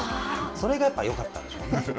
それがやっぱりよかったんでしょうね。